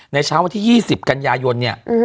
เช้าวันที่๒๐กันยายนเนี่ย